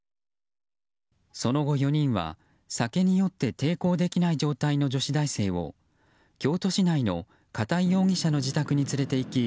その後４人は酒に酔って抵抗できない状態の女子大生を、京都市内の片井容疑者の自宅に連れていき